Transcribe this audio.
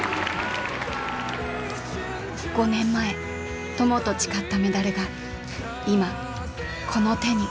５年前“戦友”と誓ったメダルが今この手に。